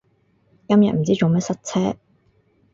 今日唔知做咩塞車